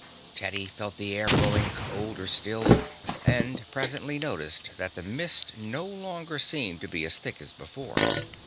Teddy felt the air growing colder still, and presently noticed that the mist no longer seemed to be as thick as before.